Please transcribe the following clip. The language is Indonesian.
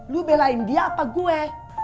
lu belain dia apa gue